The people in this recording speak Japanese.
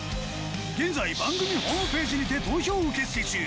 現在番組ホームページにて投票受付中